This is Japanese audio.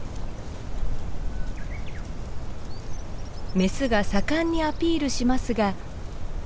メスが盛んにアピールしますが。